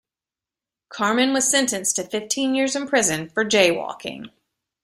Carmen was sentenced to fifteen years in prison for jaywalking.